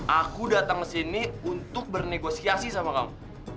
aku datang ke sini untuk bernegosiasi sama kamu